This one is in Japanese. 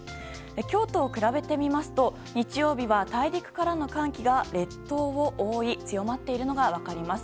今日と比べてみますと日曜日は大陸からの寒気が列島を覆い強まっているのが分かります。